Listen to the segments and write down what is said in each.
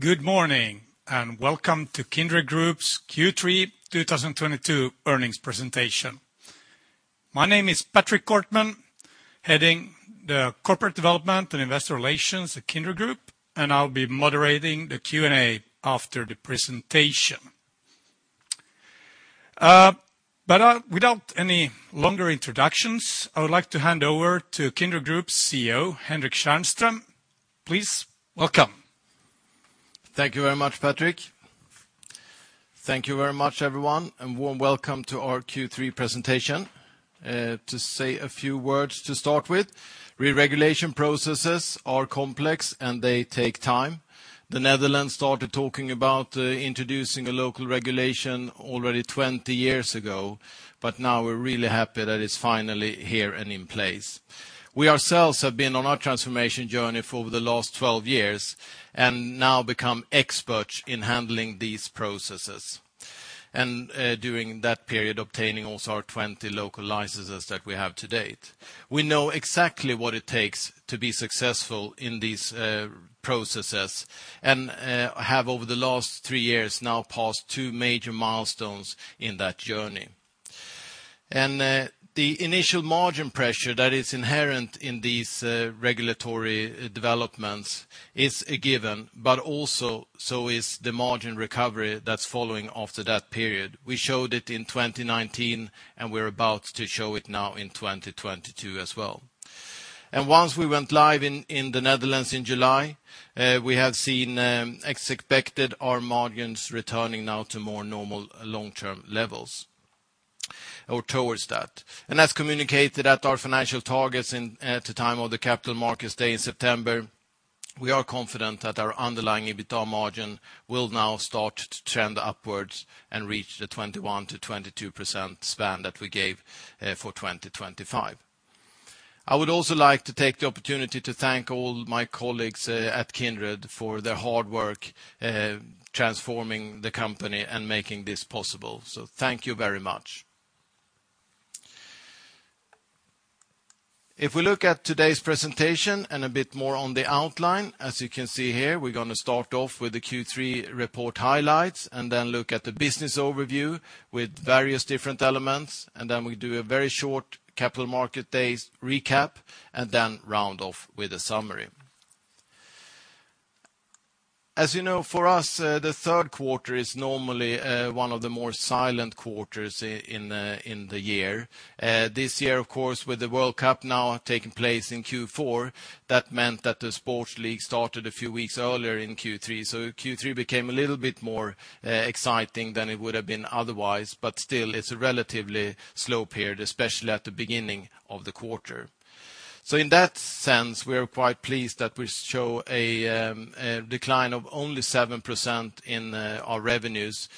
Good morning, and welcome to Kindred Group's Q3 2022 earnings presentation. My name is Patrick Kortman, heading the Corporate Development and Investor Relations at Kindred Group, and I'll be moderating the Q&A after the presentation. Without any longer introductions, I would like to hand over to Kindred Group's CEO, Henrik Tjärnström. Please welcome. Thank you very much, Patrick. Thank you very much, everyone, and warm welcome to our Q3 presentation. To say a few words to start with, reregulation processes are complex, and they take time. The Netherlands started talking about introducing a local regulation already 20 years ago, but now we're really happy that it's finally here and in place. We ourselves have been on our transformation journey for the last 12 years and now become experts in handling these processes. During that period, obtaining also our 20 local licenses that we have to date. We know exactly what it takes to be successful in these processes, and have over the last three years now passed two major milestones in that journey. The initial margin pressure that is inherent in these regulatory developments is a given, but also so is the margin recovery that's following after that period. We showed it in 2019, and we're about to show it now in 2022 as well. Once we went live in the Netherlands in July, we have seen, as expected, our margins returning now to more normal long-term levels, or towards that. As communicated at our financial targets at the time of the Capital Markets Day in September, we are confident that our underlying EBITDA margin will now start to trend upwards and reach the 21%-22% span that we gave for 2025. I would also like to take the opportunity to thank all my colleagues at Kindred for their hard work transforming the company and making this possible. Thank you very much. If we look at today's presentation and a bit more on the outline, as you can see here, we're gonna start off with the Q3 report highlights and then look at the business overview with various different elements. We do a very short Capital Markets Day recap, and then round off with a summary. As you know, for us, the Q3 is normally one of the more silent quarters in the year. This year, of course, with the World Cup now taking place in Q4, that meant that the sports league started a few weeks earlier in Q3. Q3 became a little bit more exciting than it would have been otherwise. Still, it's a relatively slow period, especially at the beginning of the quarter. In that sense, we are quite pleased that we show a decline of only 7% in our revenues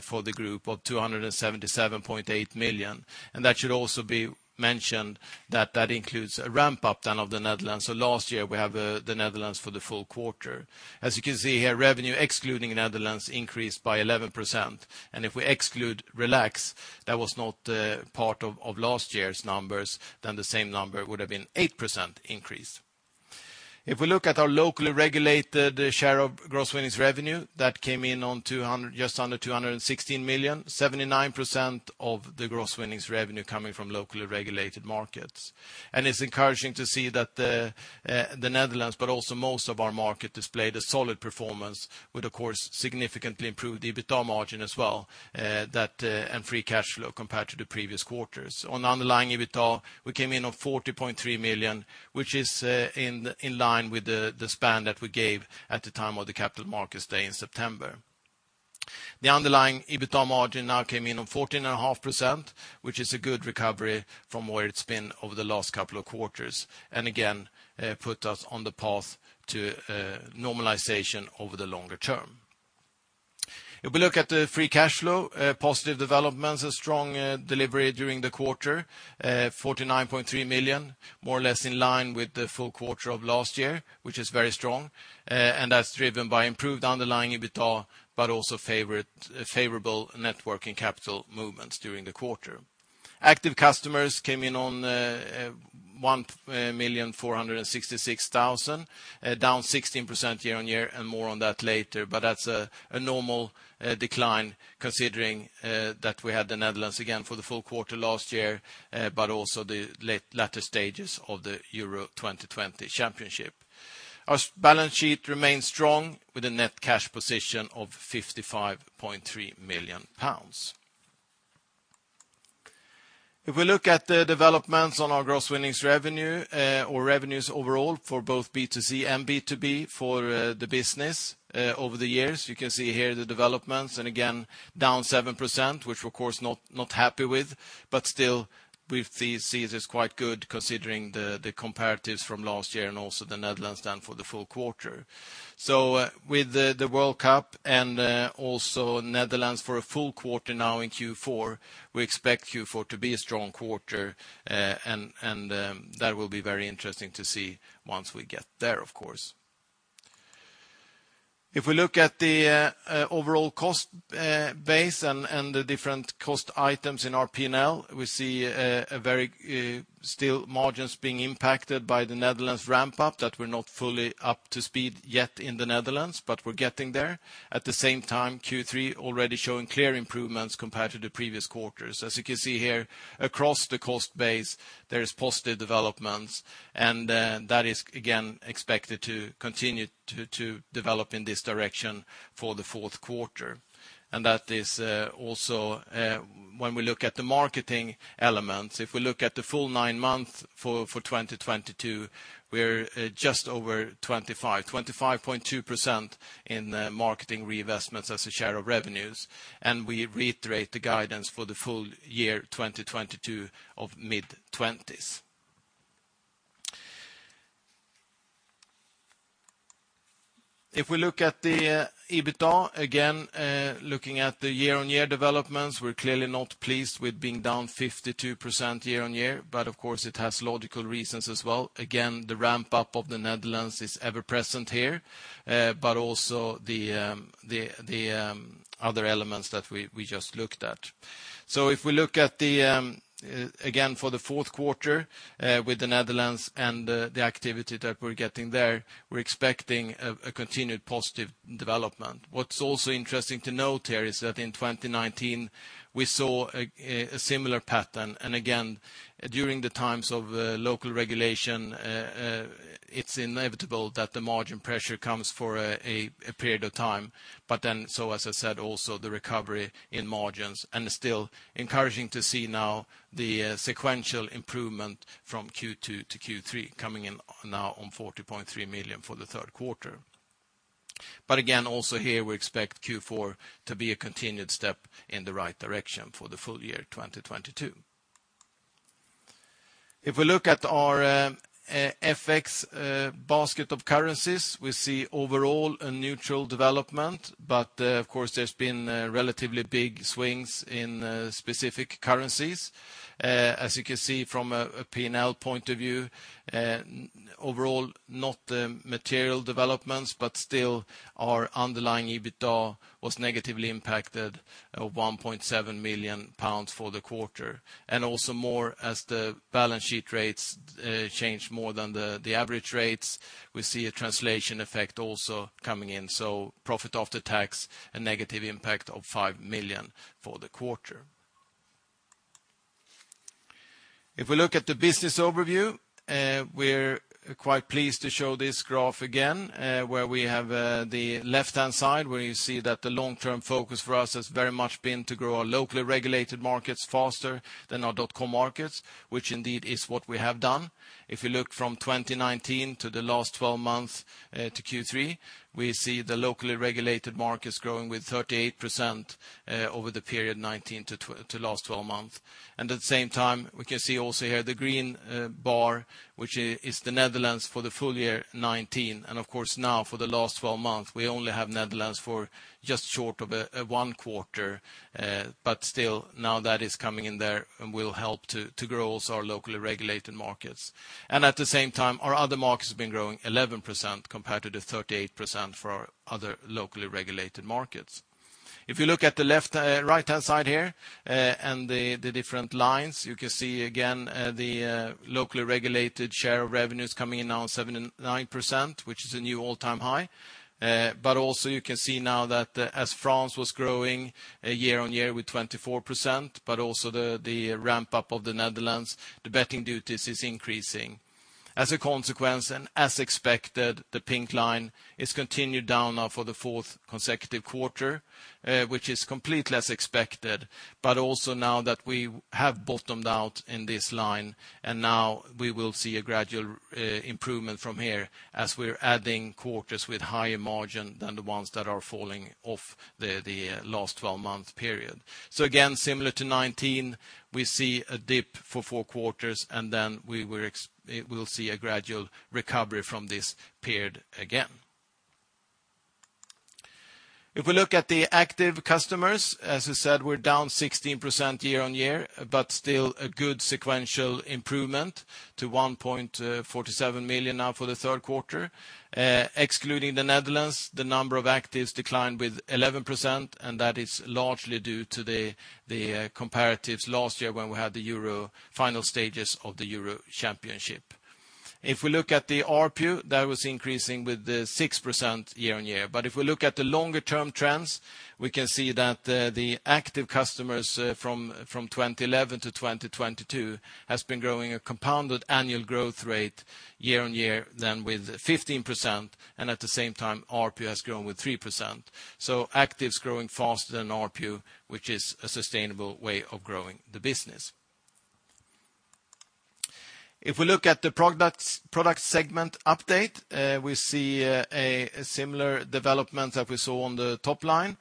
for the group of 277.8 million. That should also be mentioned that that includes a ramp-up then of the Netherlands. Last year, we have the Netherlands for the full quarter. As you can see here, revenue excluding Netherlands increased by 11%. If we exclude Relax, that was not part of last year's numbers, then the same number would have been 8% increase. If we look at our locally regulated share of gross winnings revenue, that came in just under 216 million, 79% of the gross winnings revenue coming from locally regulated markets. It's encouraging to see that the Netherlands, but also most of our market displayed a solid performance with, of course, significantly improved EBITDA margin as well, and free cash flow compared to the previous quarters. On underlying EBITDA, we came in on 40.3 million, which is in line with the span that we gave at the time of the Capital Markets Day in September. The underlying EBITDA margin now came in on 14.5%, which is a good recovery from where it's been over the last couple of quarters, and again put us on the path to normalization over the longer term. If we look at the free cash flow, positive developments, a strong delivery during the quarter, 49.3 million, more or less in line with the full quarter of last year, which is very strong. That's driven by improved underlying EBITDA, but also favorable net working capital movements during the quarter. Active customers came in on 1,466,000, down 16% year-on-year and more on that later. That's a normal decline considering that we had the Netherlands again for the full quarter last year, but also the latter stages of the Euro 2020 championship. Our balance sheet remains strong with a net cash position of 55.3 million pounds. If we look at the developments on our gross winnings revenue, or revenues overall for both B2C and B2B for the business over the years, you can see here the developments, and again, down 7%, which of course not happy with, but still we see it as quite good considering the comparatives from last year and also the Netherlands then for the full quarter. With the World Cup and also Netherlands for a full quarter now in Q4, we expect Q4 to be a strong quarter. That will be very interesting to see once we get there, of course. If we look at the overall cost base and the different cost items in our P&L, we see still margins being impacted by the Netherlands ramp-up that we're not fully up to speed yet in the Netherlands, but we're getting there. At the same time, Q3 already showing clear improvements compared to the previous quarters. As you can see here, across the cost base, there is positive developments, and that is again expected to continue to develop in this direction for the Q4. That is also when we look at the marketing elements. If we look at the full nine months for 2022, we're just over 25.2% in marketing reinvestments as a share of revenues, and we reiterate the guidance for the full year 2022 of mid-20s%. If we look at the EBITDA, again looking at the year-on-year developments, we're clearly not pleased with being down 52% year-on-year, but of course it has logical reasons as well. Again, the ramp-up of the Netherlands is ever present here, but also the other elements that we just looked at. If we look at the Q4, again with the Netherlands and the activity that we're getting there, we're expecting a continued positive development. What's also interesting to note here is that in 2019, we saw a similar pattern. Again, during the times of local regulation, it's inevitable that the margin pressure comes for a period of time. As I said, also the recovery in margins, and still encouraging to see now the sequential improvement from Q2 to Q3 coming in now on 40.3 million for the Q3. Again, also here, we expect Q4 to be a continued step in the right direction for the full year 2022. If we look at our FX basket of currencies, we see overall a neutral development. Of course, there's been relatively big swings in specific currencies. As you can see from a P&L point of view, overall, not material developments, but still our underlying EBITDA was negatively impacted, 1.7 million pounds for the quarter. Also, moreover, as the balance sheet rates change more than the average rates, we see a translation effect also coming in. Profit after tax, a negative impact of 5 million for the quarter. If we look at the business overview, we're quite pleased to show this graph again, where we have the left-hand side where you see that the long-term focus for us has very much been to grow our locally regulated markets faster than our dotcom markets, which indeed is what we have done. If you look from 2019 to the last twelve months to Q3, we see the locally regulated markets growing with 38% over the period 2019 to last twelve months. At the same time, we can see also here the green bar, which is the Netherlands for the full year 2019. Of course now for the last twelve months, we only have Netherlands for just short of one quarter. Still now that is coming in there and will help to grow also our locally regulated markets. At the same time, our other markets have been growing 11% compared to the 38% for our other locally regulated markets. If you look at the left, right-hand side here, and the different lines, you can see again, the locally regulated share of revenues coming in now 7%-9%, which is a new all-time high. You can see now that as France was growing year-over-year with 24%, but also the ramp-up of the Netherlands, the betting duties is increasing. As a consequence, and as expected, the pink line is continued down now for the fourth consecutive quarter, which is completely as expected. You can see now that we have bottomed out in this line, and now we will see a gradual improvement from here as we're adding quarters with higher margin than the ones that are falling off the last twelve-month period. Again, similar to 19, we see a dip for four quarters, and then we'll see a gradual recovery from this period again. If we look at the active customers, as I said, we're down 16% year-on-year, but still a good sequential improvement to 1.47 million now for the Q3. Excluding the Netherlands, the number of actives declined with 11%, and that is largely due to the comparatives last year when we had the final stages of the Euro Championship. If we look at the RPU, that was increasing with 6% year-on-year. If we look at the longer-term trends, we can see that the active customers from 2011 to 2022 has been growing a compounded annual growth rate year on year than with 15%, and at the same time, RPU has grown with 3%. Actives growing faster than RPU, which is a sustainable way of growing the business. If we look at the products, product segment update, we see a similar development that we saw on the top line.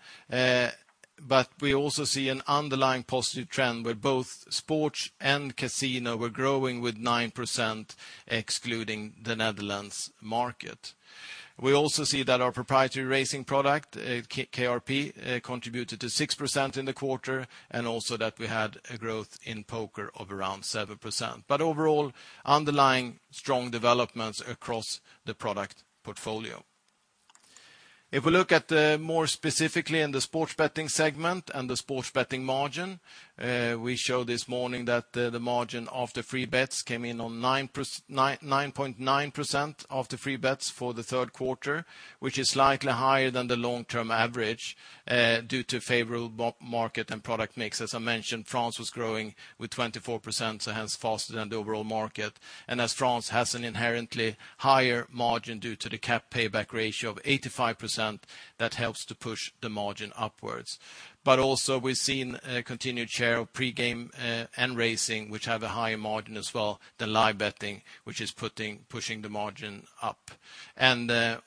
But we also see an underlying positive trend with both sports and casino. We're growing with 9% excluding the Netherlands market. We also see that our proprietary racing product, KRP, contributed to 6% in the quarter, and also that we had a growth in poker of around 7%. Overall, underlying strong developments across the product portfolio. If we look at more specifically in the sports betting segment and the sports betting margin, we show this morning that the margin of the free bets came in on 9.9% of the free bets for the third quarter, which is slightly higher than the long-term average due to favorable market and product mix. As I mentioned, France was growing with 24%, so hence faster than the overall market. And as France has an inherently higher margin due to the cap payback ratio of 85%, that helps to push the margin upwards. Also we've seen a continued share of pre-game and racing, which have a higher margin as well, the live betting, which is pushing the margin up.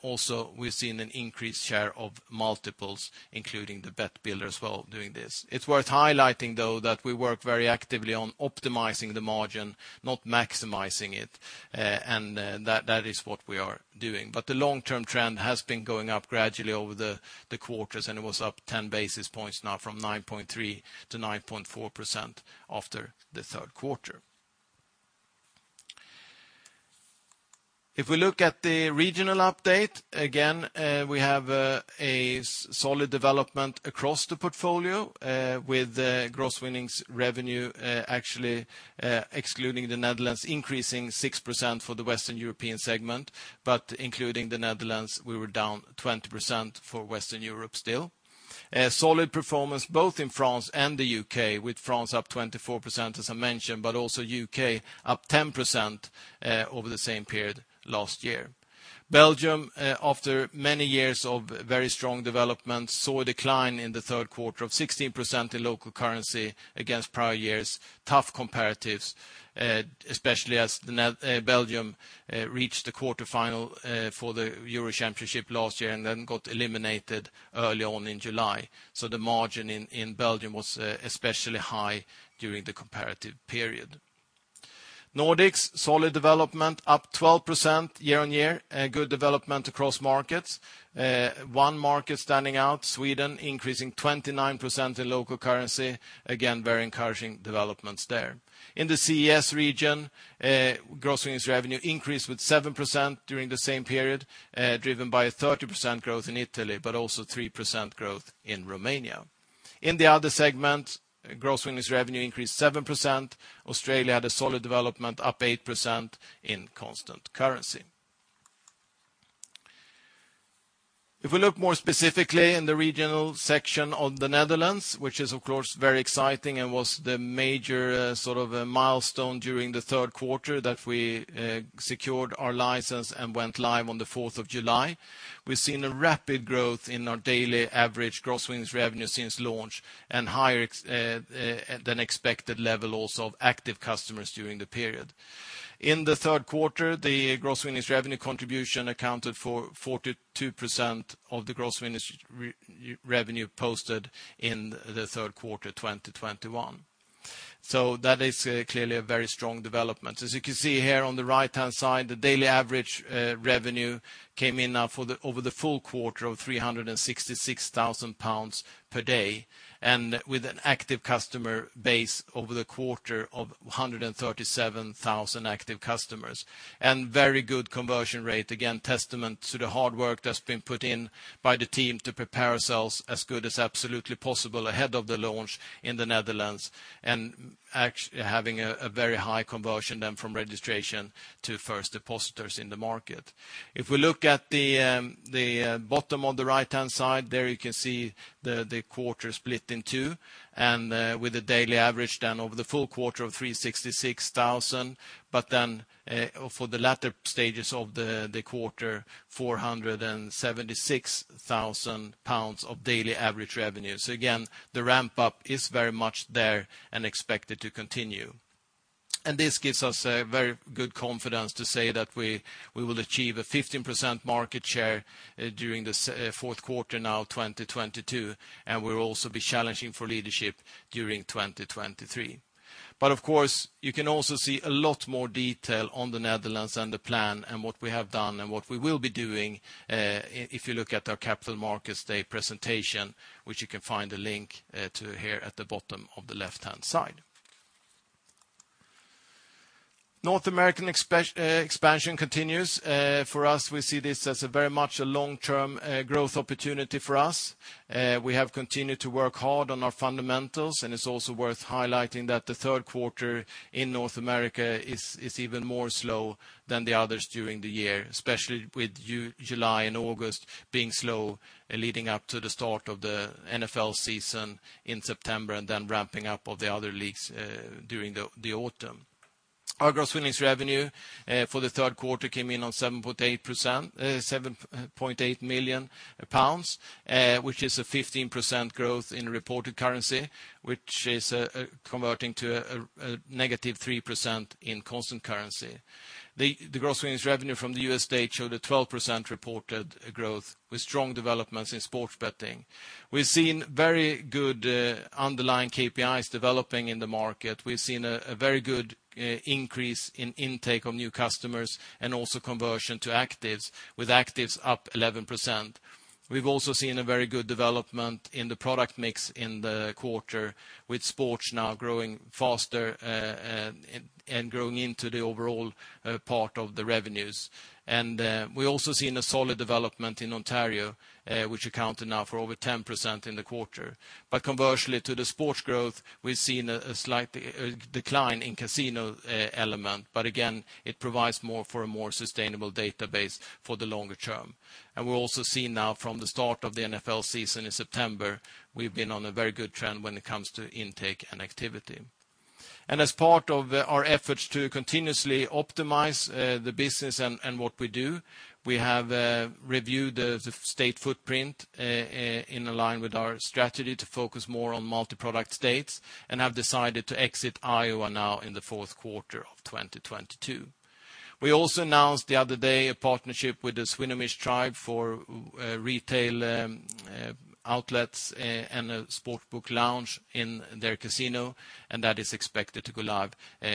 also we've seen an increased share of multiples, including the Bet Builder as well doing this. It's worth highlighting though that we work very actively on optimizing the margin, not maximizing it. that is what we are doing. the long-term trend has been going up gradually over the quarters, and it was up 10 basis points now from 9.3% to 9.4% after the Q3. If we look at the regional update, again, we have a solid development across the portfolio with the gross winnings revenue actually excluding the Netherlands, increasing 6% for the Western European segment. including the Netherlands, we were down 20% for Western Europe still. A solid performance both in France and the U.K., with France up 24%, as I mentioned, but also U.K. up 10% over the same period last year. Belgium, after many years of very strong development, saw a decline in the third quarter of 16% in local currency against prior years. Tough comparatives, especially as Belgium reached the quarterfinal for the Euro championship last year and then got eliminated early on in July. The margin in Belgium was especially high during the comparative period. Nordics, solid development, up 12% year-over-year. Good development across markets. One market standing out, Sweden increasing 29% in local currency. Again, very encouraging developments there. In the CES region, gross winnings revenue increased with 7% during the same period, driven by a 30% growth in Italy, but also 3% growth in Romania. In the other segment, gross winnings revenue increased 7%. Australia had a solid development, up 8% in constant currency. If we look more specifically in the regional section of the Netherlands, which is of course very exciting and was the major, sort of, milestone during the Q3 that we secured our license and went live on the 4th July, we've seen a rapid growth in our daily average gross winnings revenue since launch and higher than expected level also of active customers during the period. In the third quarter, the gross winnings revenue contribution accounted for 42% of the gross winnings revenue posted in the third quarter, 2021. That is clearly a very strong development. As you can see here on the right-hand side, the daily average revenue came in now for the over the full quarter of 366,000 pounds per day, and with an active customer base over the quarter of 137,000 active customers. Very good conversion rate, again, testament to the hard work that's been put in by the team to prepare ourselves as good as absolutely possible ahead of the launch in the Netherlands and having a very high conversion then from registration to first depositors in the market. If we look at the bottom on the right-hand side, there you can see the quarter split in two, with a daily average then over the full quarter of 366,000. But then, for the latter stages of the quarter, 476,000 pounds of daily average revenue. The ramp up is very much there and expected to continue. This gives us very good confidence to say that we will achieve a 15% market share during the fourth quarter of 2022, and we'll also be challenging for leadership during 2023. Of course, you can also see a lot more detail on the Netherlands and the plan and what we have done and what we will be doing, if you look at our Capital Markets Day presentation, which you can find a link to here at the bottom of the left-hand side. North American expansion continues. For us, we see this as a very much a long-term growth opportunity for us. We have continued to work hard on our fundamentals, and it's also worth highlighting that the Q3 in North America is even more slow than the others during the year, especially with July and August being slow, leading up to the start of the NFL season in September and then ramping up of the other leagues during the autumn. Our gross winnings revenue for the Q3 came in at 7.8 million pounds, which is a 15% growth in reported currency, which is converting to a negative 3% in constant currency. The gross winnings revenue from the U.S. state showed a 12% reported growth with strong developments in sports betting. We've seen very good underlying KPIs developing in the market. We've seen a very good increase in intake of new customers and also conversion to actives, with actives up 11%. We've also seen a very good development in the product mix in the quarter with sports now growing faster and growing into the overall part of the revenues. We also seen a solid development in Ontario, which accounted now for over 10% in the quarter. Conversely to the sports growth, we've seen a slight decline in casino element. Again, it provides more for a more sustainable database for the longer term. We're also seeing now from the start of the NFL season in September, we've been on a very good trend when it comes to intake and activity. As part of our efforts to continuously optimize the business and what we do, we have reviewed the state footprint in line with our strategy to focus more on multi-product states and have decided to exit Iowa now in the Q4 of 2022. We also announced the other day a partnership with the Swinomish Tribe for retail outlets and a sportsbook lounge in their casino, and that is expected to go live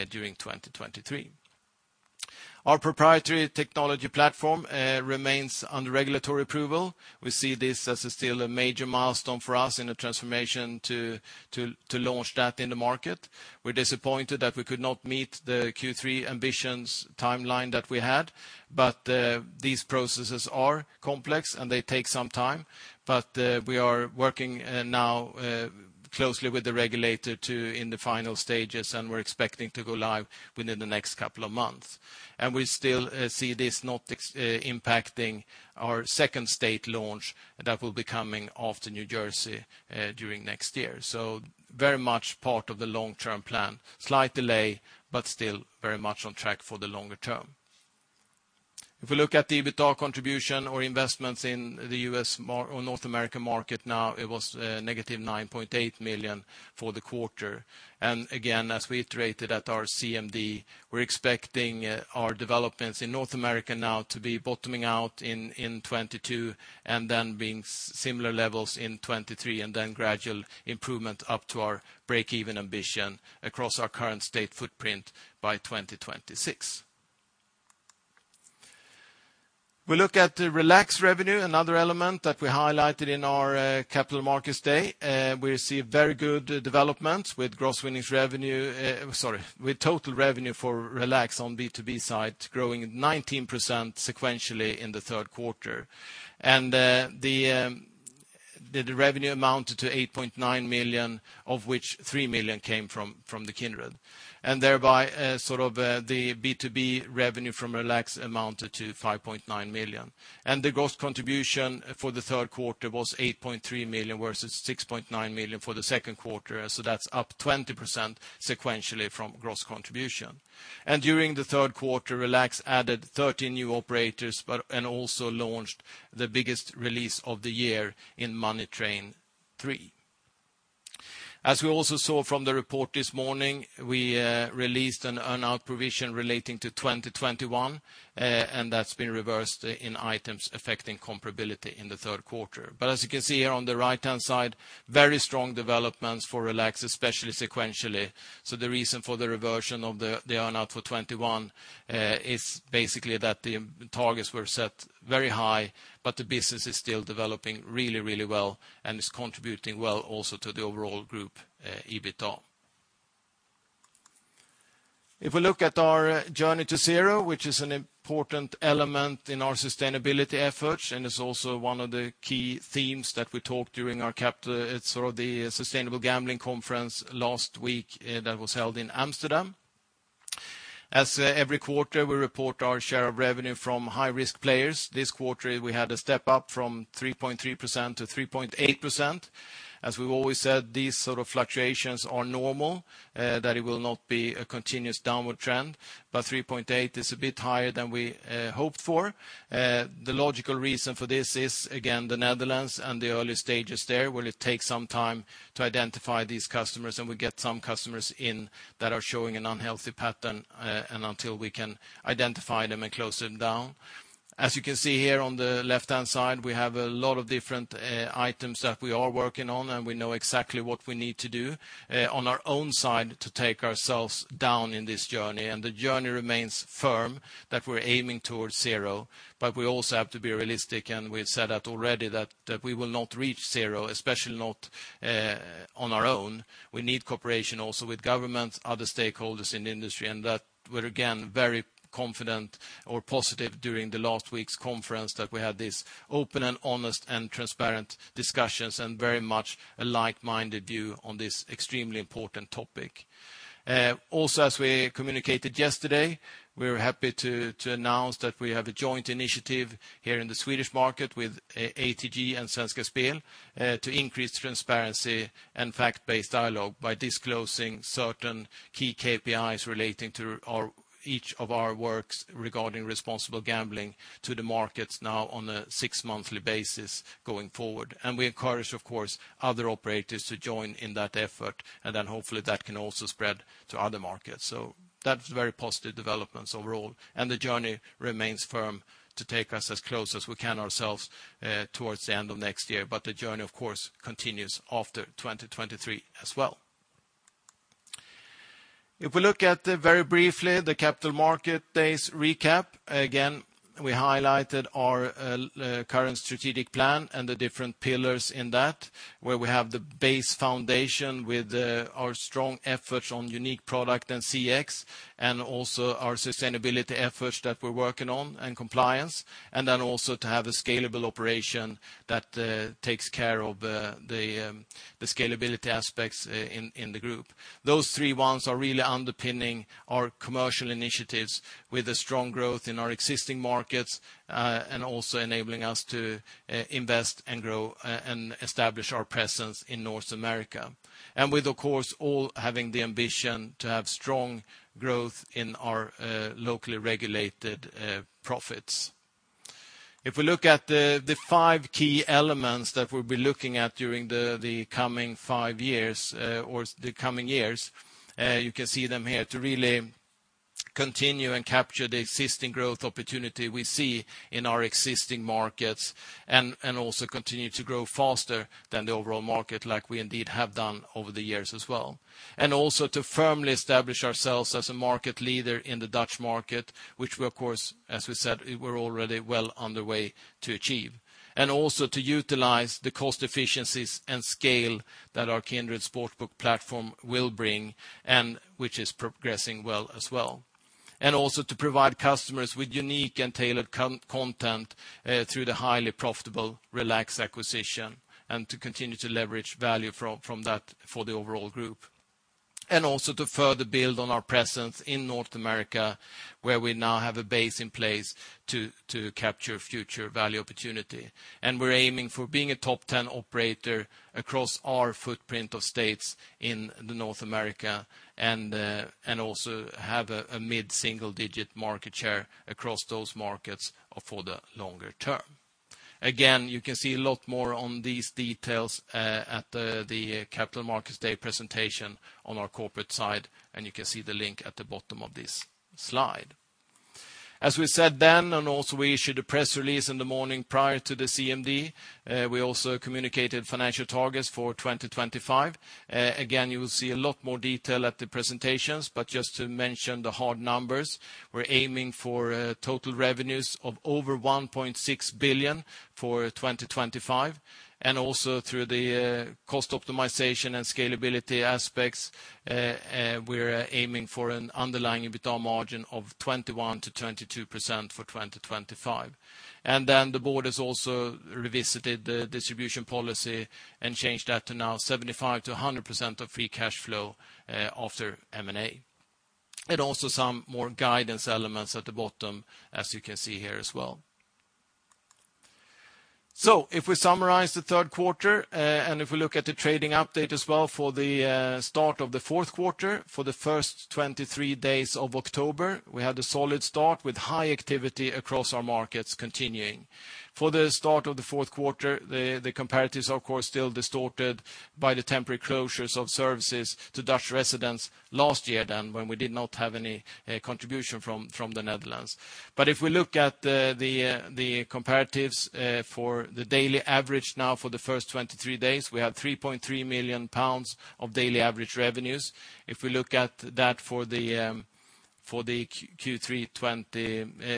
during 2023. Our proprietary technology platform remains under regulatory approval. We see this as still a major milestone for us in the transformation to launch that in the market. We're disappointed that we could not meet the Q3 ambitions timeline that we had, but these processes are complex, and they take some time. We are working now closely with the regulator in the final stages, and we're expecting to go live within the next couple of months. We still see this not impacting our second state launch that will be coming after New Jersey during next year. Very much part of the long-term plan. Slight delay, but still very much on track for the longer term. If we look at the EBITDA contribution or investments in the North American market now, it was negative $9.8 million for the quarter. Again, as we iterated at our CMD, we're expecting our developments in North America now to be bottoming out in 2022 and then being similar levels in 2023 and then gradual improvement up to our break-even ambition across our current state footprint by 2026. We look at the Relax revenue, another element that we highlighted in our Capital Markets Day. We received very good developments with total revenue for Relax on B2B side growing 19% sequentially in the third quarter. The revenue amounted to 8.9 million, of which 3 million came from the Kindred. Thereby, sort of, the B2B revenue from Relax amounted to 5.9 million. The gross contribution for the third quarter was 8.3 million, versus 6.9 million for the Q2. That's up 20% sequentially from gross contribution. During the third quarter, Relax added 13 new operators and also launched the biggest release of the year in Money Train three. As we also saw from the report this morning, we released an earn-out provision relating to 2021, and that's been reversed in items affecting comparability in the Q3. As you can see here on the right-hand side, very strong developments for Relax, especially sequentially. The reason for the reversion of the earn-out for 2021 is basically that the targets were set very high, but the business is still developing really well and is contributing well also to the overall group EBITDA. If we look at our Journey to Zero, which is an important element in our sustainability efforts and is also one of the key themes that we talked during sort of the Sustainable Gambling Conference last week, that was held in Amsterdam. As every quarter, we report our share of revenue from high-risk players. This quarter, we had a step-up from 3.3% to 3.8%. As we've always said, these sort of fluctuations are normal, that it will not be a continuous downward trend. 3.8 is a bit higher than we hoped for. The logical reason for this is, again, the Netherlands and the early stages there, where it takes some time to identify these customers, and we get some customers in that are showing an unhealthy pattern, and until we can identify them and close them down. As you can see here on the left-hand side, we have a lot of different items that we are working on, and we know exactly what we need to do on our own side to take ourselves down in this journey. The journey remains firm that we're aiming towards zero, but we also have to be realistic, and we've said that already that we will not reach zero, especially not on our own. We need cooperation also with governments, other stakeholders in the industry, and that we're again very confident or positive during last week's conference that we had this open and honest and transparent discussions and very much a like-minded view on this extremely important topic. Also, as we communicated yesterday, we're happy to announce that we have a joint initiative here in the Swedish market with ATG and Svenska Spel to increase transparency and fact-based dialogue by disclosing certain key KPIs relating to each of our works regarding responsible gambling to the markets now on a six-monthly basis going forward. We encourage, of course, other operators to join in that effort, and then hopefully that can also spread to other markets. That's very positive developments overall. The journey remains firm to take us as close as we can ourselves, towards the end of next year. The journey, of course, continues after 2023 as well. If we look at, very briefly, the Capital Markets Day's recap, again, we highlighted our current strategic plan and the different pillars in that, where we have the base foundation with our strong efforts on unique product and CX and also our sustainability efforts that we're working on and compliance, and then also to have a scalable operation that takes care of the scalability aspects in the group. Those three ones are really underpinning our commercial initiatives with a strong growth in our existing markets, and also enabling us to invest and grow and establish our presence in North America. With, of course, all having the ambition to have strong growth in our locally regulated profits. If we look at the five key elements that we'll be looking at during the coming five years, or the coming years, you can see them here to really continue and capture the existing growth opportunity we see in our existing markets and also continue to grow faster than the overall market, like we indeed have done over the years as well. Also to firmly establish ourselves as a market leader in the Dutch market, which we, of course, as we said, we're already well underway to achieve. Also to utilize the cost efficiencies and scale that our Kindred Sportsbook platform will bring and which is progressing well as well. To provide customers with unique and tailored content through the highly profitable Relax acquisition and to continue to leverage value from that for the overall group. To further build on our presence in North America, where we now have a base in place to capture future value opportunity. We're aiming for being a top ten operator across our footprint of states in North America and also have a mid-single digit market share across those markets for the longer term. Again, you can see a lot more on these details at the Capital Markets Day presentation on our corporate side, and you can see the link at the bottom of this slide. As we said then, and also we issued a press release in the morning prior to the CMD, we also communicated financial targets for 2025. Again, you'll see a lot more detail at the presentations, but just to mention the hard numbers, we're aiming for total revenues of over 1.6 billion for 2025, and also through the cost optimization and scalability aspects, we're aiming for an underlying EBITDA margin of 21%-22% for 2025. Then the board has also revisited the distribution policy and changed that to now 75%-100% of free cash flow after M&A. Also some more guidance elements at the bottom as you can see here as well. If we summarize the Q3, and if we look at the trading update as well for the start of the Q4, for the first 23 days of October, we had a solid start with high activity across our markets continuing. For the start of the Q4, the comparatives of course still distorted by the temporary closures of services to Dutch residents last year when we did not have any contribution from the Netherlands. If we look at the comparatives for the daily average now for the first 23 days, we have 3.3 million pounds of daily average revenues. If we look at that for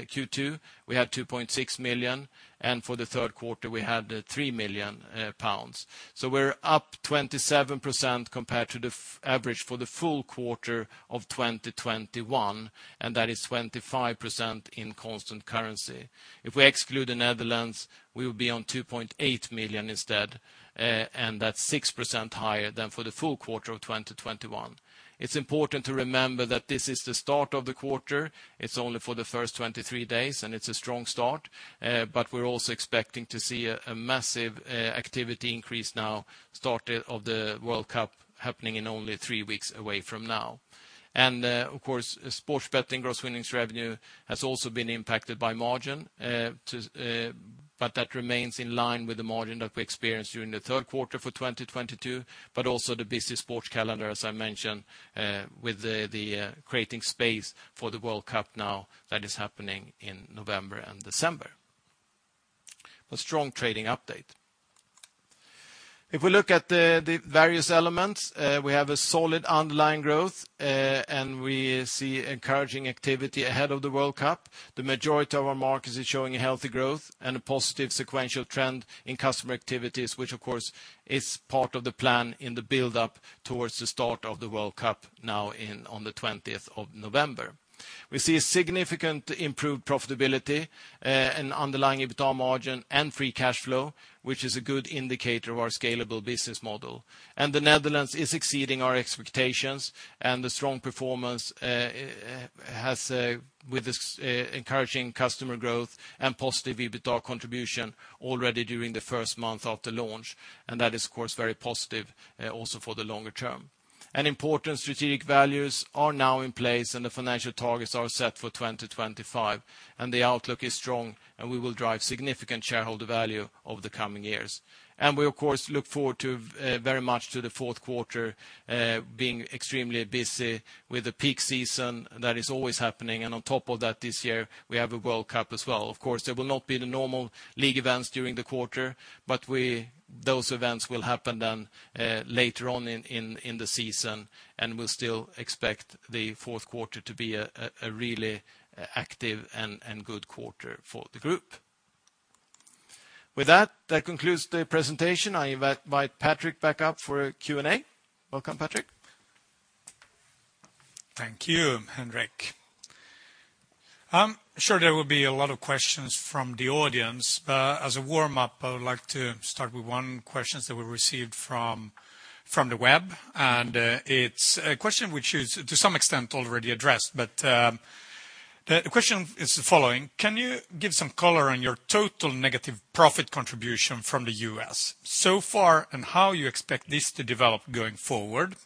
Q2, we had 2.6 million, and for the third quarter we had 3 million pounds. We're up 27% compared to the average for the full quarter of 2021, and that is 25% in constant currency. If we exclude the Netherlands, we will be on 2.8 million instead, and that's 6% higher than for the full quarter of 2021. It's important to remember that this is the start of the quarter. It's only for the first 23 days, and it's a strong start. But we're also expecting to see a massive activity increase now start of the World Cup happening in only three weeks away from now. Of course, sports betting gross winnings revenue has also been impacted by margin too, but that remains in line with the margin that we experienced during the Q3 for 2022, but also the busy sports calendar, as I mentioned, with the creating space for the World Cup now that is happening in November and December. A strong trading update. If we look at the various elements, we have a solid underlying growth, and we see encouraging activity ahead of the World Cup. The majority of our markets is showing a healthy growth and a positive sequential trend in customer activities, which of course is part of the plan in the build-up towards the start of the World Cup now in, on the 20th of November. We see a significant improved profitability in underlying EBITDA margin and free cash flow, which is a good indicator of our scalable business model. The Netherlands is exceeding our expectations and the strong performance has with this encouraging customer growth and positive EBITDA contribution already during the first month after launch. That is, of course, very positive also for the longer term. Important strategic values are now in place and the financial targets are set for 2025, and the outlook is strong, and we will drive significant shareholder value over the coming years. We of course look forward to very much to the fourth quarter being extremely busy with the peak season that is always happening, and on top of that, this year we have a World Cup as well. Of course, there will not be the normal league events during the quarter, but those events will happen then later on in the season, and we'll still expect the fourth quarter to be a really active and good quarter for the group. With that concludes the presentation. I invite Patrick back up for a Q&A. Welcome, Patrick. Thank you, Henrik. I'm sure there will be a lot of questions from the audience, but as a warm-up, I would like to start with one question that we received from the web. It's a question which is to some extent already addressed, but the question is the following: Can you give some color on your total negative profit contribution from the U.S. so far and how you expect this to develop going forward?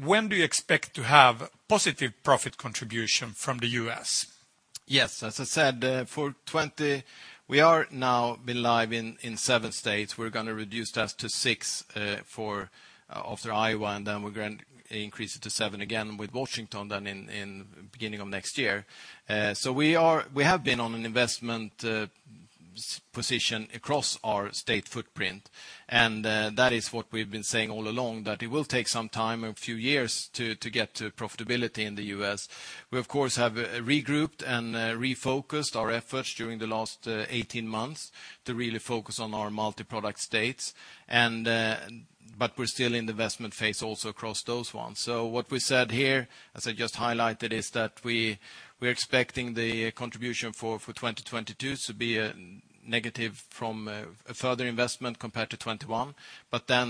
When do you expect to have positive profit contribution from the U.S.? Yes. As I said, in 2020, we are now been live in seven states. We're gonna reduce that to six for after Iowa, and then we're going increase it to seven again with Washington then in beginning of next year. So we have been on an investment position across our state footprint, and that is what we've been saying all along, that it will take some time, a few years to get to profitability in the US. We of course have regrouped and refocused our efforts during the last 18 months to really focus on our multi-product states. We're still in investment phase also across those ones. What we said here, as I just highlighted, is that we're expecting the contribution for 2022 to be negative from a further investment compared to 2021.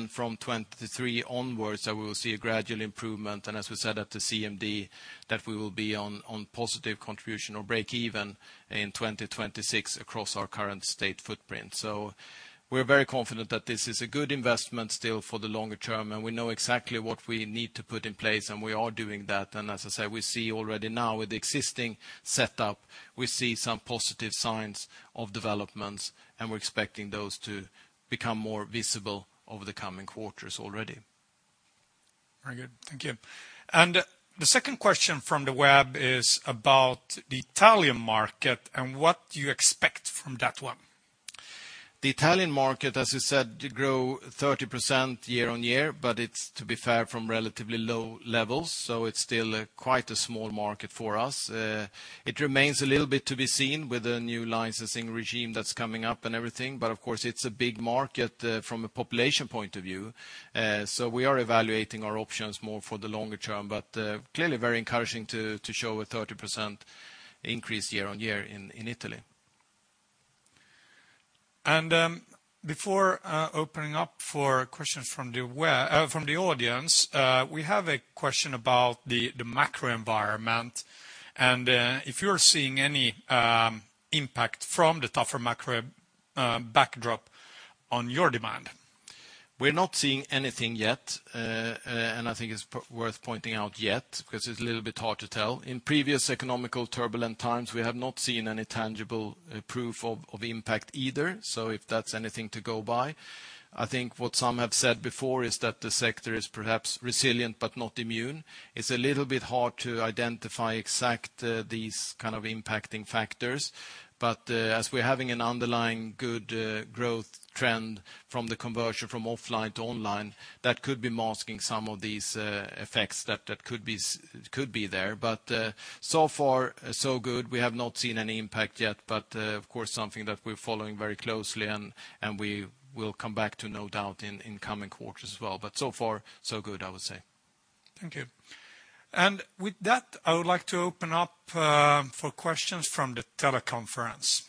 From 2023 onwards, we will see a gradual improvement, and as we said at the CMD that we will be on positive contribution or break even in 2026 across our current state footprint. We're very confident that this is a good investment still for the longer term, and we know exactly what we need to put in place, and we are doing that. As I said, we see already now with the existing setup, we see some positive signs of developments, and we're expecting those to become more visible over the coming quarters already. Very good. Thank you. The second question from the web is about the Italian market and what you expect from that one. The Italian market, as I said, grew 30% year-over-year, but it's to be fair from relatively low levels, so it's still quite a small market for us. It remains a little bit to be seen with the new licensing regime that's coming up and everything. Of course it's a big market from a population point of view, so we are evaluating our options more for the longer term. Clearly very encouraging to show a 30% increase year-over-year in Italy. Before opening up for questions from the audience, we have a question about the macro environment and if you're seeing any impact from the tougher macro backdrop on your demand. We're not seeing anything yet, and I think it's worth pointing out yet 'cause it's a little bit hard to tell. In previous economic turbulent times, we have not seen any tangible proof of impact either, so if that's anything to go by. I think what some have said before is that the sector is perhaps resilient but not immune. It's a little bit hard to identify exactly these kind of impacting factors. As we're having an underlying good growth trend from the conversion from offline to online, that could be masking some of these effects that could be there. So far so good. We have not seen any impact yet, but of course something that we're following very closely, and we will come back to no doubt in coming quarters as well. So far so good, I would say. Thank you. With that, I would like to open up for questions from the teleconference.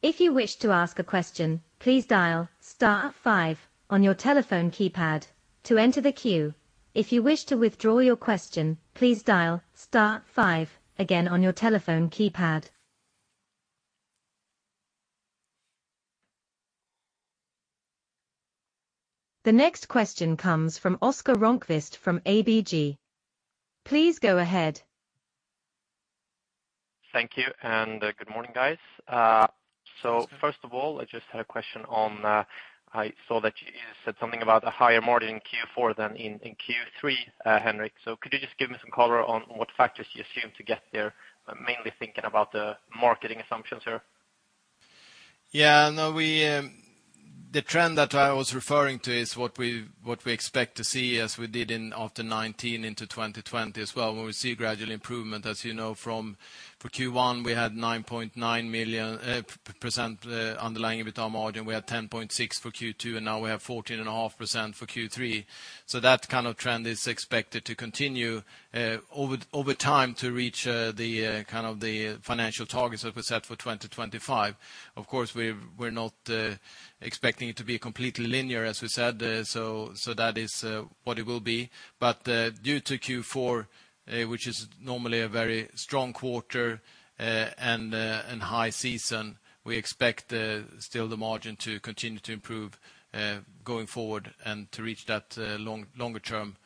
If you wish to ask a question, please dial star five on your telephone keypad to enter the queue. If you wish to withdraw your question, please dial star five again on your telephone keypad. The next question comes from Oscar Rönnkvist from ABG. Please go ahead. Thank you, and good morning, guys. First of all, I just had a question on, I saw that you said something about a higher margin in Q4 than in Q3, Henrik. Could you just give me some color on what factors you assume to get there? I'm mainly thinking about the marketing assumptions here. Yeah. No. The trend that I was referring to is what we expect to see as we did after 2019 into 2020 as well, where we see gradual improvement. As you know, for Q1 we had 9.9% underlying EBITDA margin. We had 10.6% for Q2, and now we have 14.5% for Q3. That kind of trend is expected to continue over time to reach the kind of financial targets that we set for 2025. Of course we're not expecting it to be completely linear, as we said, so that is what it will be. Due to Q4, which is normally a very strong quarter, and high season, we expect still the margin to continue to improve going forward and to reach that long-term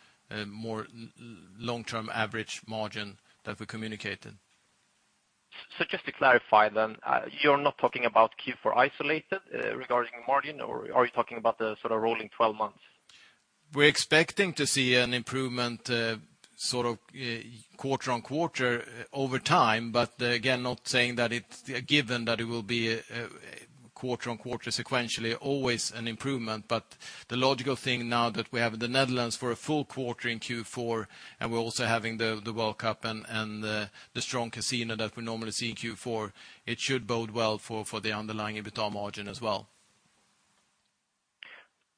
average margin that we communicated. Just to clarify then, you're not talking about Q4 isolated, regarding margin, or are you talking about the sort of rolling 12 months? We're expecting to see an improvement, sort of, quarter on quarter over time. Again, not saying that it's a given that it will be quarter on quarter sequentially always an improvement. The logical thing now that we have the Netherlands for a full quarter in Q4 and we're also having the World Cup and the strong casino that we normally see in Q4, it should bode well for the underlying EBITDA margin as well.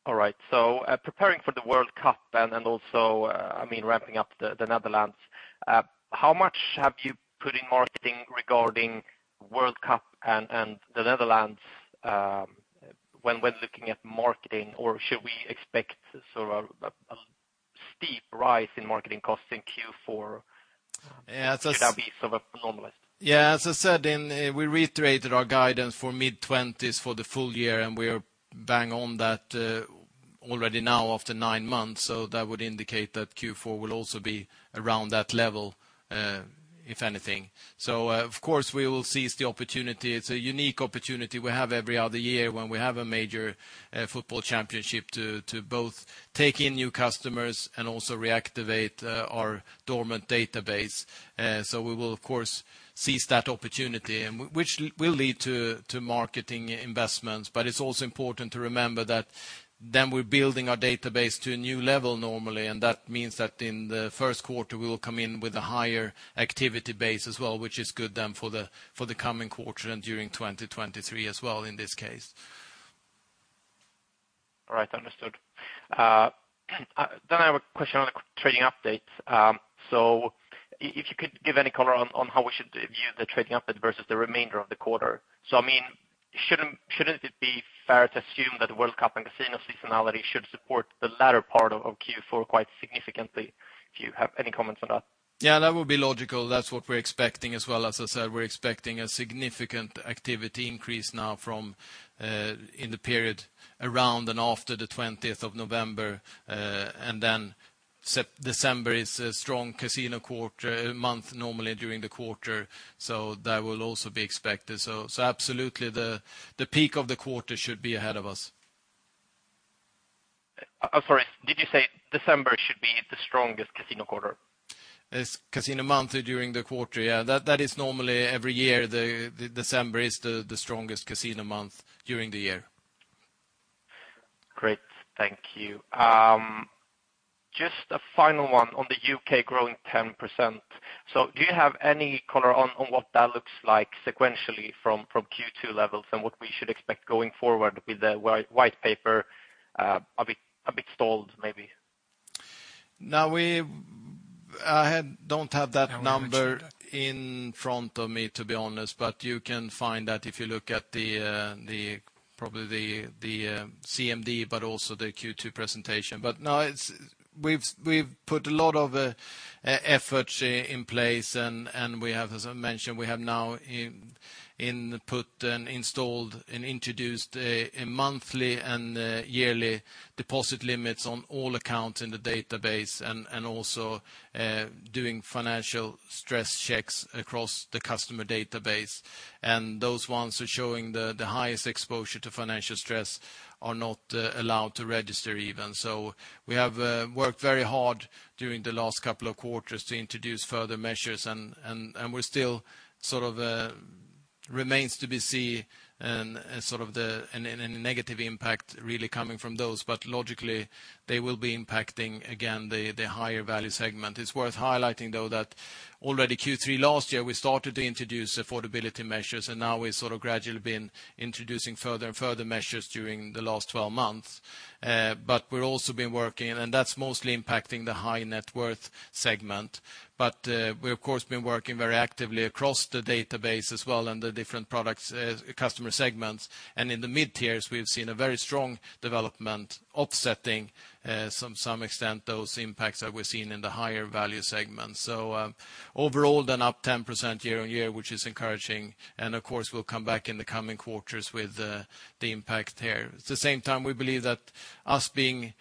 All right. Preparing for the World Cup and also, I mean, ramping up the Netherlands, how much have you put in marketing regarding World Cup and the Netherlands, when looking at marketing? Or should we expect sort of a steep rise in marketing costs in Q4. Yeah. Could that be sort of a normalized? Yeah. As I said, we reiterated our guidance for mid-20s% for the full year, and we are bang on that, already now after nine months. That would indicate that Q4 will also be around that level, if anything. Of course, we will seize the opportunity. It's a unique opportunity we have every other year when we have a major football championship to both take in new customers and also reactivate our dormant database. We will of course seize that opportunity and which will lead to marketing investments. It's also important to remember that then we're building our database to a new level normally, and that means that in the first quarter we will come in with a higher activity base as well, which is good then for the coming quarter and during 2023 as well in this case. All right. Understood. I have a question on the trading update. If you could give any color on how we should view the trading update versus the remainder of the quarter. I mean, shouldn't it be fair to assume that the World Cup and casino seasonality should support the latter part of Q4 quite significantly? If you have any comments on that? Yeah, that would be logical. That's what we're expecting as well. As I said, we're expecting a significant activity increase now from in the period around and after the 20th of November. September-December is a strong casino quarter, month normally during the quarter, so that will also be expected. Absolutely, the peak of the quarter should be ahead of us. I'm sorry, did you say December should be the strongest casino quarter? It's casino month during the quarter. Yeah. That is normally every year the December is the strongest casino month during the year. Great. Thank you. Just a final one on the UK growing 10%. Do you have any color on what that looks like sequentially from Q2 levels and what we should expect going forward with the White Paper a bit stalled, maybe? No, I don't have that number. Can I make sure that? In front of me, to be honest. You can find that if you look at, probably, the CMD, but also the Q2 presentation. No, it's. We've put a lot of efforts in place and, as I mentioned, we have now implemented and installed and introduced monthly and yearly deposit limits on all accounts in the database and also doing financial stress checks across the customer database. Those ones are showing the highest exposure to financial stress are not allowed to register even. We have worked very hard during the last couple of quarters to introduce further measures and it's still sort of remains to be seen and sort of a negative impact really coming from those. Logically they will be impacting again the higher value segment. It's worth highlighting though that already Q3 last year we started to introduce affordability measures and now we've sort of gradually been introducing further and further measures during the last twelve months. We've also been working and that's mostly impacting the high net worth segment. We've of course been working very actively across the database as well and the different products, customer segments. In the mid-tiers we've seen a very strong development offsetting to some extent those impacts that we're seeing in the higher value segments. Overall then up 10% year-on-year, which is encouraging, and of course we'll come back in the coming quarters with the impact there. At the same time, we believe that us being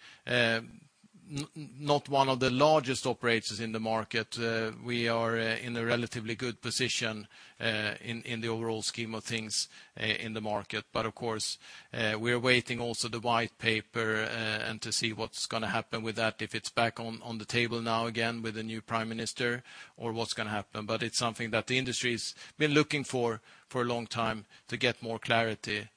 not one of the largest operators in the market, we are in a relatively good position in the overall scheme of things in the market. Of course, we are also waiting for the White Paper and to see what's gonna happen with that, if it's back on the table now again with the new prime minister or what's gonna happen. It's something that the industry's been looking for for a long time to get more clarity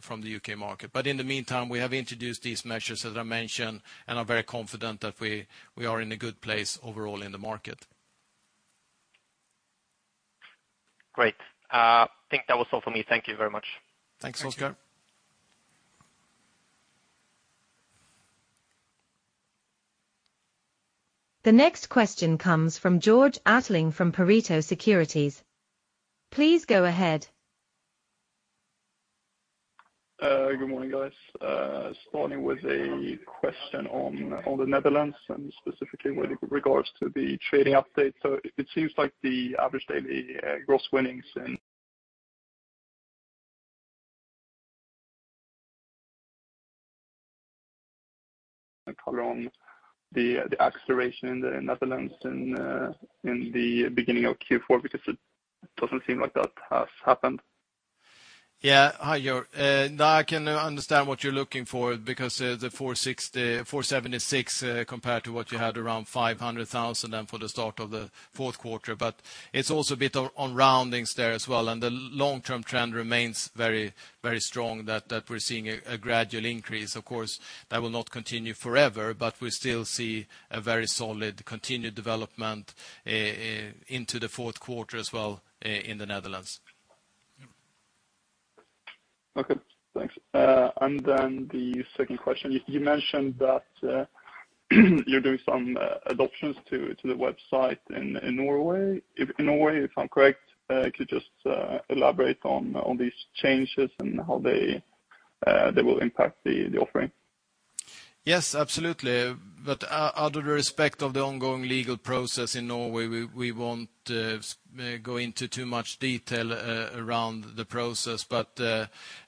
from the U.K. market. In the meantime, we have introduced these measures, as I mentioned, and are very confident that we are in a good place overall in the market. Great. Think that was all for me. Thank you very much. Thanks, Oscar. Thank you. The next question comes from Georg Attling from Pareto Securities. Please go ahead. Good morning, guys. Starting with a question on the Netherlands and specifically with regards to the trading update. It seems like the average daily gross winnings. Color on the acceleration in the Netherlands and in the beginning of Q4, because it doesn't seem like that has happened. Yeah. Hi, George. Now I can understand what you're looking for because the 460, 476 compared to what you had around 500,000 then for the start of the fourth quarter. It's also a bit of rounding there as well. The long-term trend remains very, very strong that we're seeing a gradual increase. Of course, that will not continue forever, but we still see a very solid continued development into the fourth quarter as well in the Netherlands. Okay, thanks. The second question. You mentioned that you're doing some adaptations to the website in Norway. In Norway, if I'm correct, could you just elaborate on these changes and how that will impact the offering. Yes, absolutely. Out of respect for the ongoing legal process in Norway, we won't go into too much detail around the process.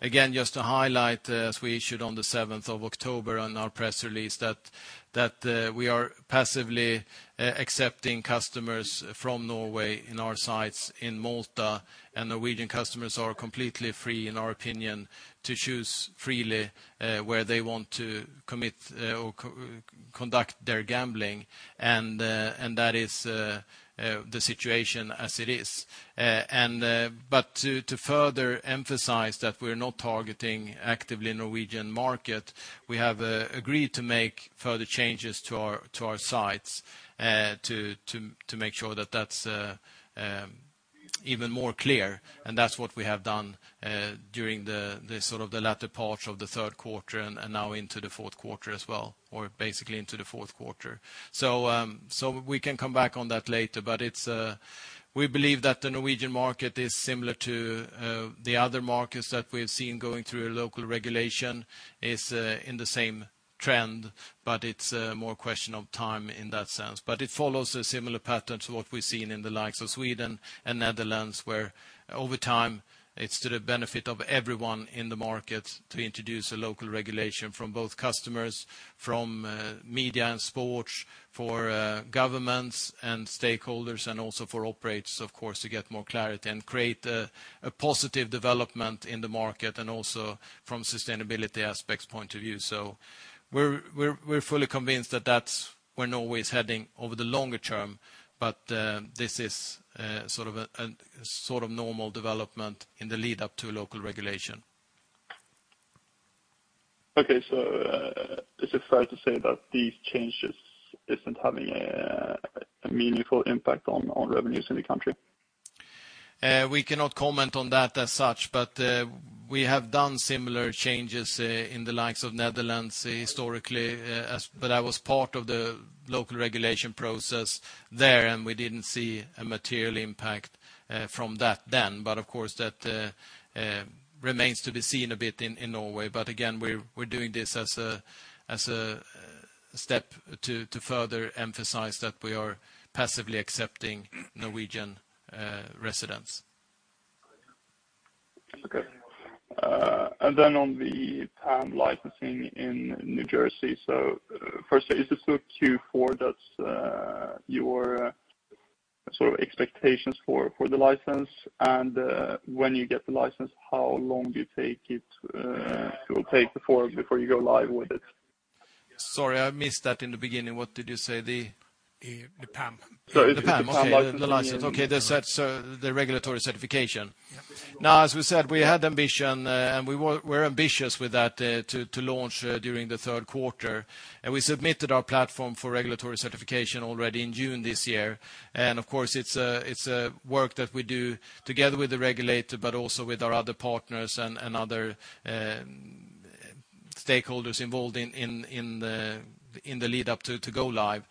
Again, just to highlight, as we issued on the seventh of October in our press release that we are passively accepting customers from Norway in our sites in Malta, and Norwegian customers are completely free, in our opinion, to choose freely where they want to commit or conduct their gambling. And that is the situation as it is. To further emphasize that we're not targeting actively Norwegian market, we have agreed to make further changes to our sites to make sure that that's even more clear, and that's what we have done during the sort of the latter part of the Q3 and now into theQ4 as well, or basically into the fourth quarter. We can come back on that later, but we believe that the Norwegian market is similar to the other markets that we've seen going through a local regulation. It's in the same trend, but it's more a question of time in that sense. It follows a similar pattern to what we've seen in the likes of Sweden and Netherlands, where over time, it's to the benefit of everyone in the market to introduce a local regulation from both customers, from media and sports, for governments and stakeholders, and also for operators, of course, to get more clarity and create a positive development in the market and also from sustainability aspects point of view. We're fully convinced that that's where Norway is heading over the longer term, but this is sort of a normal development in the lead-up to a local regulation. Is it fair to say that these changes isn't having a meaningful impact on revenues in the country? We cannot comment on that as such, but we have done similar changes in the likes of Netherlands historically, but that was part of the local regulation process there, and we didn't see a material impact from that then. But of course, that remains to be seen a bit in Norway. But again, we're doing this as a step to further emphasize that we are passively accepting Norwegian residents. Okay. On the PAM licensing in New Jersey. First, is this sort of Q4 that's your sort of expectations for the license? When you get the license, how long will it take before you go live with it? Sorry, I missed that in the beginning. What did you say? The PAM. The PAM. Okay. The license. Okay. That's the regulatory certification. Now, as we said, we're ambitious with that to launch during the third quarter. We submitted our platform for regulatory certification already in June this year. Of course, it's a work that we do together with the regulator, but also with our other partners and other stakeholders involved in the lead up to go live.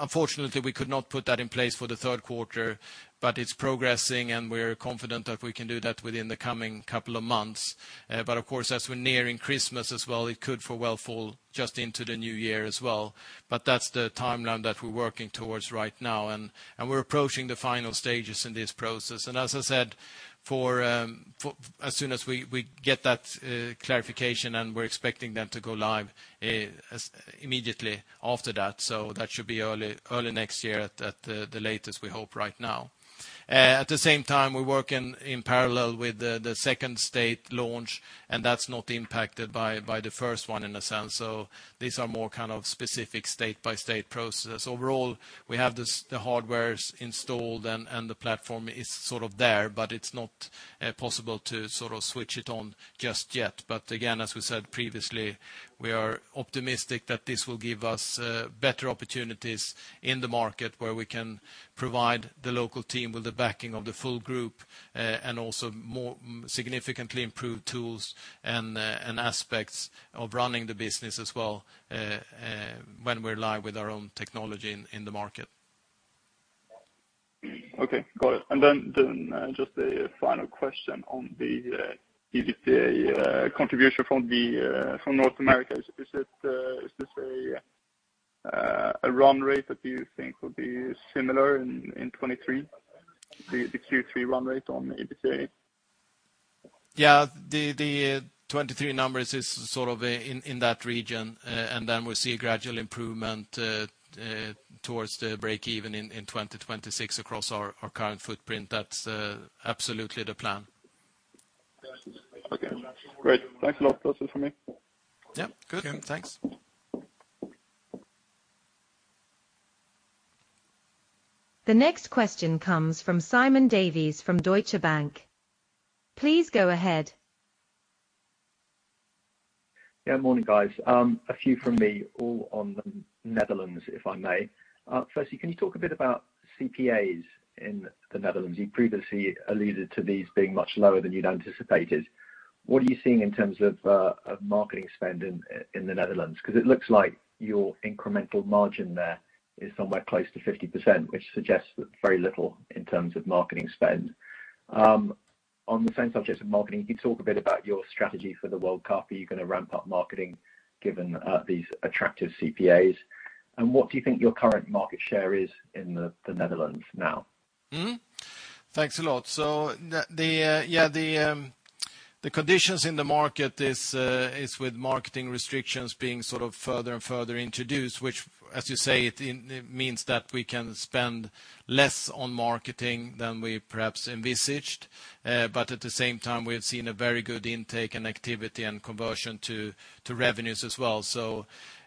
Unfortunately, we could not put that in place for the third quarter, but it's progressing, and we're confident that we can do that within the coming couple of months. But of course, as we're nearing Christmas as well, it could well fall just into the new year as well. That's the timeline that we're working towards right now. We're approaching the final stages in this process. As I said, as soon as we get that clarification and we're expecting then to go live immediately after that. That should be early next year at the latest, we hope right now. At the same time, we're working in parallel with the second state launch, and that's not impacted by the first one in a sense. These are more kind of specific state-by-state processes. Overall, we have this, the hardware is installed and the platform is sort of there, but it's not possible to sort of switch it on just yet. Again, as we said previously, we are optimistic that this will give us better opportunities in the market where we can provide the local team with the backing of the full group, and also more significantly improved tools and aspects of running the business as well, when we're live with our own technology in the market. Okay. Got it. Just a final question on the EBITDA contribution from North America. Is this a run rate that you think will be similar in 2023, the Q3 run rate on EBITDA? Yeah. The 23 numbers is sort of in that region. We see a gradual improvement towards the break-even in 2026 across our current footprint. That's absolutely the plan. Okay, great. Thanks a lot. That's it for me. Yeah. Good. Thanks. The next question comes from Simon Davies from Deutsche Bank. Please go ahead. Yeah. Morning, guys. A few from me, all on the Netherlands, if I may. Firstly, can you talk a bit about CPAs in the Netherlands? You previously alluded to these being much lower than you'd anticipated. What are you seeing in terms of marketing spend in the Netherlands? 'Cause it looks like your incremental margin there is somewhere close to 50%, which suggests very little in terms of marketing spend. On the same subject of marketing, can you talk a bit about your strategy for the World Cup? Are you gonna ramp up marketing given these attractive CPAs? And what do you think your current market share is in the Netherlands now? Thanks a lot. The conditions in the market is with marketing restrictions being sort of further and further introduced, which as you say, it means that we can spend less on marketing than we perhaps envisaged. But at the same time, we have seen a very good intake and activity and conversion to revenues as well.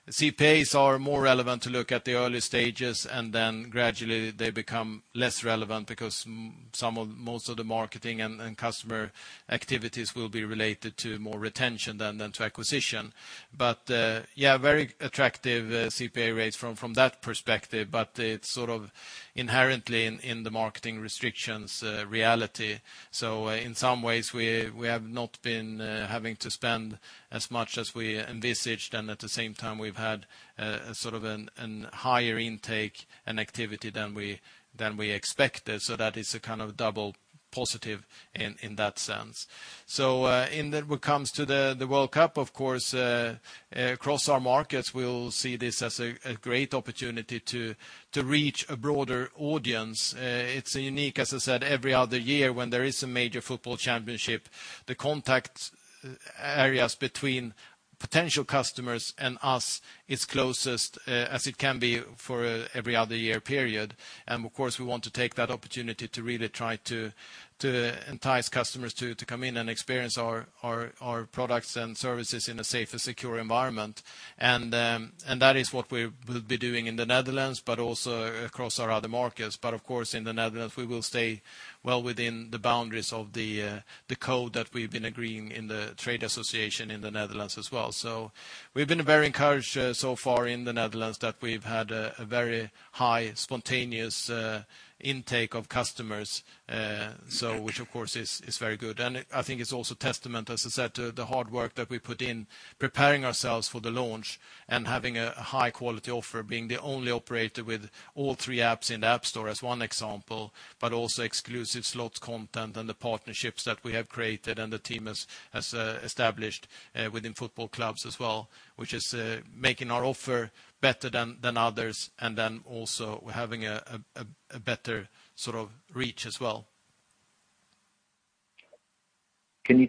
CPAs are more relevant to look at the early stages, and then gradually they become less relevant because most of the marketing and customer activities will be related to more retention than to acquisition. Very attractive CPA rates from that perspective, but it's sort of inherently in the marketing restrictions reality. In some ways we have not been having to spend as much as we envisaged, and at the same time we've had a sort of a higher intake and activity than we expected. That is a kind of double positive in that sense. When it comes to the World Cup, of course, across our markets, we'll see this as a great opportunity to reach a broader audience. It's unique, as I said, every other year when there is a major football championship, the contact areas between potential customers and us is closest, as it can be for every other year period. Of course we want to take that opportunity to really try to entice customers to come in and experience our products and services in a safe and secure environment. That is what we will be doing in the Netherlands, but also across our other markets. Of course, in the Netherlands, we will stay well within the boundaries of the code that we've been agreeing in the trade association in the Netherlands as well. We've been very encouraged so far in the Netherlands that we've had a very high spontaneous intake of customers. Which of course is very good. I think it's also testament, as I said, to the hard work that we put in preparing ourselves for the launch and having a high quality offer, being the only operator with all three apps in the App Store as one example, but also exclusive slots content and the partnerships that we have created and the team has established within football clubs as well, which is making our offer better than others, and then also having a better sort of reach as well. Can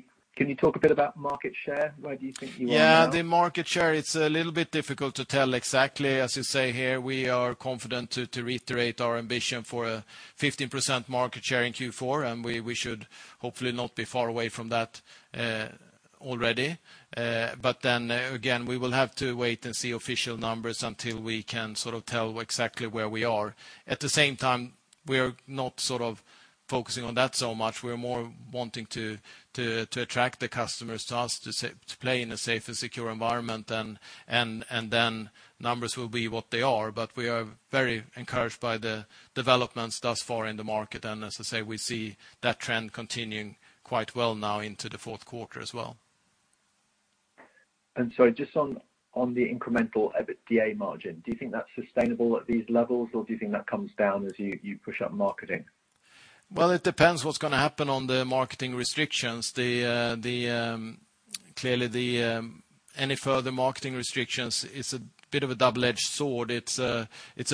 you talk a bit about market share? Where do you think you are now? Yeah, the market share, it's a little bit difficult to tell exactly. As you say here, we are confident to reiterate our ambition for a 15% market share in Q4, and we should hopefully not be far away from that already. Again, we will have to wait and see official numbers until we can sort of tell exactly where we are. At the same time, we're not sort of focusing on that so much. We're more wanting to attract the customers to us to play in a safe and secure environment, and then numbers will be what they are. We are very encouraged by the developments thus far in the market. As I say, we see that trend continuing quite well now into the fourth quarter as well. Sorry, just on the incremental EBITDA margin, do you think that's sustainable at these levels, or do you think that comes down as you push up marketing? Well, it depends what's gonna happen on the marketing restrictions. Clearly, any further marketing restrictions, it's a bit of a double-edged sword. It's a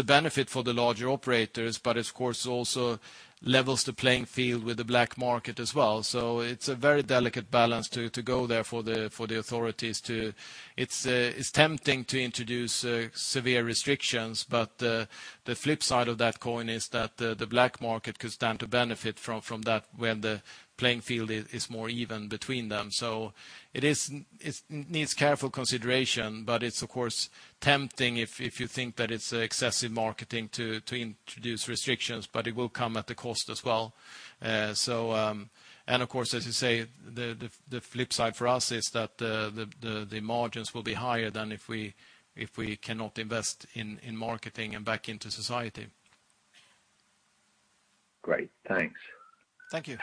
benefit for the larger operators, but of course also levels the playing field with the black market as well. It's a very delicate balance to go there for the authorities to. It's tempting to introduce severe restrictions, but the flip side of that coin is that the black market could stand to benefit from that when the playing field is more even between them. It needs careful consideration, but it's of course tempting if you think that it's excessive marketing to introduce restrictions, but it will come at a cost as well. Of course, as you say, the flip side for us is that the margins will be higher than if we cannot invest in marketing and back into society. Great. Thanks. Thank you.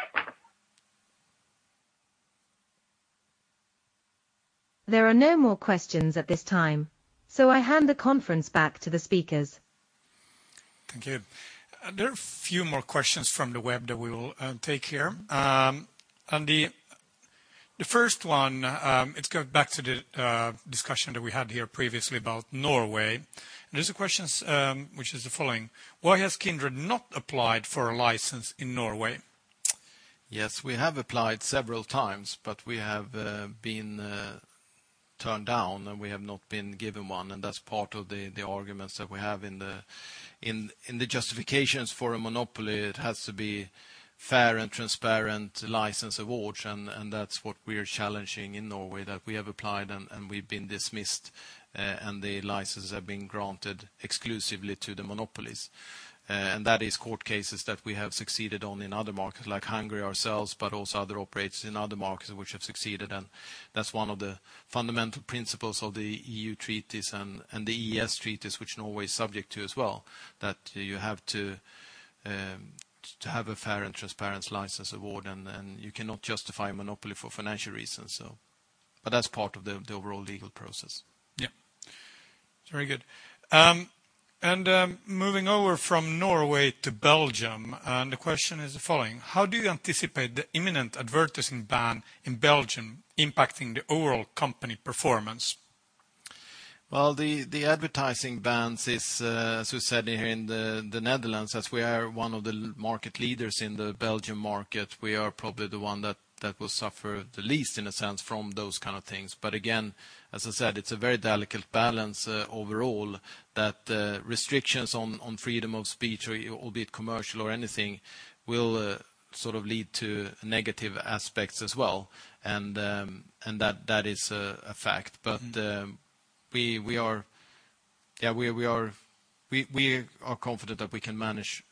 There are no more questions at this time, so I hand the conference back to the speakers. Thank you. There are a few more questions from the web that we will take here. The first one goes back to the discussion that we had here previously about Norway. There's a question, which is the following: Why has Kindred not applied for a license in Norway? Yes, we have applied several times, but we have been turned down, and we have not been given one, and that's part of the arguments that we have in the justifications for a monopoly. It has to be fair and transparent license awards, and that's what we're challenging in Norway, that we have applied and we've been dismissed, and the licenses have been granted exclusively to the monopolies. That is court cases that we have succeeded on in other markets like Hungary ourselves, but also other operators in other markets which have succeeded. That's one of the fundamental principles of the EU treaties and the EEA treaties, which Norway is subject to as well, that you have to have a fair and transparent license award, and you cannot justify a monopoly for financial reasons. That's part of the overall legal process. Yeah Very good. Moving over from Norway to Belgium, and the question is the following: how do you anticipate the imminent advertising ban in Belgium impacting the overall company performance? Well, the advertising bans is as we said here in the Netherlands, as we are one of the market leaders in the Belgian market, we are probably the one that will suffer the least, in a sense, from those kind of things. Again, as I said, it's a very delicate balance overall that restrictions on freedom of speech or albeit commercial or anything will sort of lead to negative aspects as well. That is a fact. Mm-hmm. We are confident that we can manage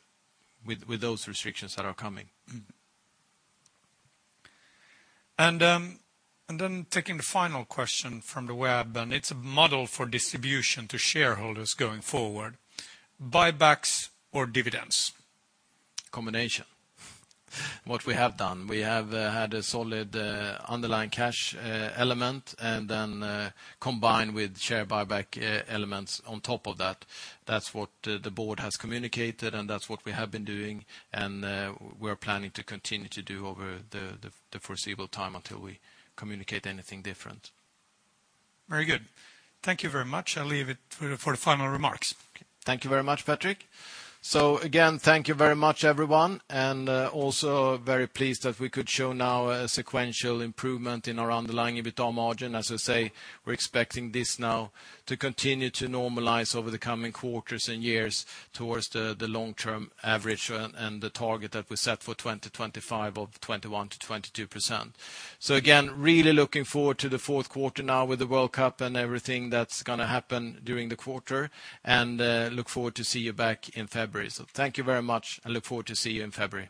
with those restrictions that are coming. taking the final question from the web, and it's a mode of distribution to shareholders going forward, buybacks or dividends? Combination. What we have done, we have had a solid underlying cash element and then combined with share buyback elements on top of that. That's what the board has communicated, and that's what we have been doing and we're planning to continue to do over the foreseeable time until we communicate anything different. Very good. Thank you very much. I'll leave it to you for the final remarks. Thank you very much, Patrick. Again, thank you very much, everyone, and also very pleased that we could show now a sequential improvement in our underlying EBITDA margin. As I say, we're expecting this now to continue to normalize over the coming quarters and years towards the long-term average and the target that we set for 2025 of 21%-22%. Again, really looking forward to the fourth quarter now with the World Cup and everything that's gonna happen during the quarter and look forward to see you back in February. Thank you very much. I look forward to seeing you in February.